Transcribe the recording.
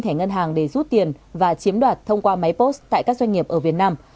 thẻ ngân hàng để rút tiền và chiếm đoạt thông qua máy post tại các doanh nghiệp ở việt nam